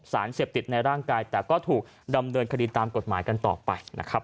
สารเสพติดในร่างกายแต่ก็ถูกดำเนินคดีตามกฎหมายกันต่อไปนะครับ